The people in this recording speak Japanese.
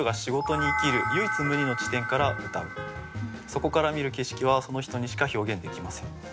そこから見る景色はその人にしか表現できません。